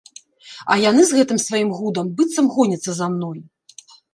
А яны з гэтым сваім гудам быццам гоняцца за мной.